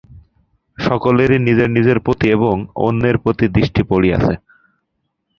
সকলেরই নিজের নিজের প্রতি এবং অন্যের প্রতি দৃষ্টি পড়িয়াছে।